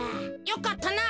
よかったな。